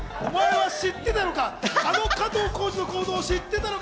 お前は、あの加藤浩次の行動を知ってたのか？